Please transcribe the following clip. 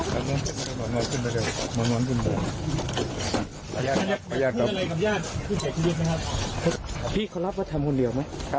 ทำคนเดียวเลยครับเย็นยันก็ทำคนเดียว